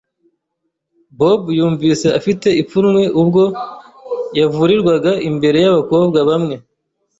Bob yumvise afite ipfunwe ubwo yavurirwaga imbere y'abakobwa bamwe.